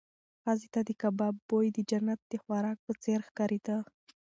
ښځې ته د کباب بوی د جنت د خوراک په څېر ښکارېده.